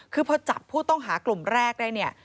คือพอจับผู้ต้องหากลุ่มแรกได้เนี่ย